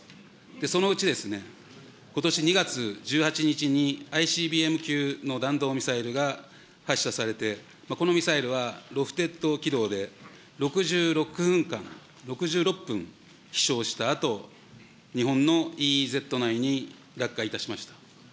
そのうち、ことし２月１８日にＩＣＢＭ級の弾道ミサイルが発射されて、このミサイルはロフテッド軌道で、６６分間、６６分、飛しょうしたあと、日本のＥＥＺ内に落下いたしました。